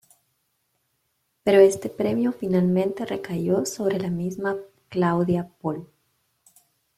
Pero este premio finalmente recayó sobre la misma Claudia Poll.